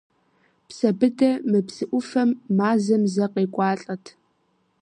Псэбыдэ мы псы ӏуфэм мазэм зэ къекӏуалӏэт.